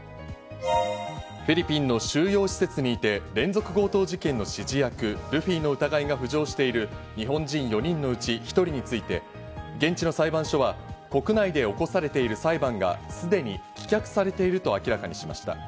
フィリピンの収容施設にいて、連続強盗事件の指示役・ルフィの疑いが浮上している日本人４人のうち１人について、現地の裁判所は国内で起こされている裁判がすでに棄却されていると明らかにしました。